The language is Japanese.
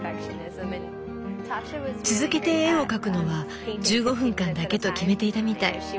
続けて絵を描くのは１５分間だけと決めていたみたい。